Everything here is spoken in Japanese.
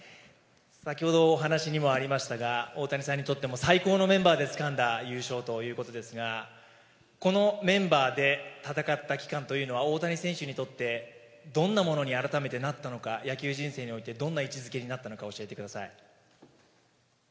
先ほどお話にもありましたが、大谷さんにとっても最高のメンバーでつかんだ優勝ということですが、このメンバーで戦った期間というのは大谷選手にとって、どんなものに、改めてなったのか、野球人生においてどんな位置づけになったのか教えてください。